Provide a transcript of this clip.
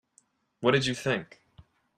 What did you think?